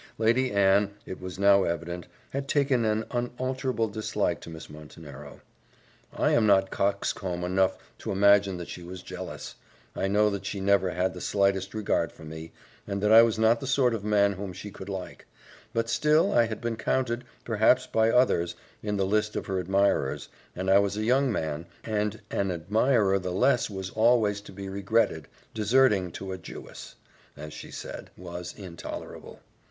Lady Anne, it was now evident, had taken an unalterable dislike to Miss Montenero. I am not coxcomb enough to imagine that she was jealous; I know that she never had the slightest regard for me, and that I was not the sort of man whom she could like; but still I had been counted, perhaps by others, in the list of her admirers, and I was a young man, and an admirer the less was always to be regretted deserting to a Jewess, as she said, was intolerable.